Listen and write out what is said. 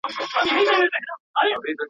له کښتۍ سره مشغول وو په څپو کي.